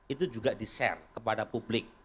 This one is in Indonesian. itu juga di share kepada publik